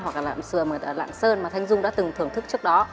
hoặc là lạp sườn lạng sơn mà thanh dung đã từng thưởng thức trước đó